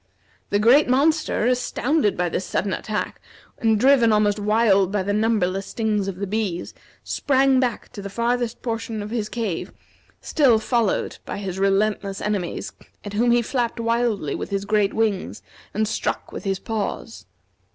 The great monster, astounded by this sudden attack, and driven almost wild by the numberless stings of the bees, sprang back to the farthest portion of his cave, still followed by his relentless enemies, at whom he flapped wildly with his great wings and struck with his paws.